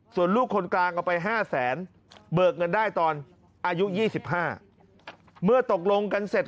ส่วนลูกคนกลางเอาไป๕แสนเบิกเงินได้ตอนอายุ๒๕เมื่อตกลงกันเสร็จ